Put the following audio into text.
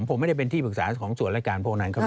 ผมไม่ได้เป็นที่ปรึกษาของส่วนรายการพวกนั้นครับ